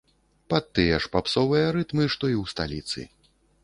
Пад тыя ж папсовыя рытмы, што і ў сталіцы.